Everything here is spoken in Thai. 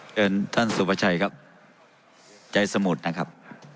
เชิญท่านสุภาชัยครับใจสมุทรนะครับ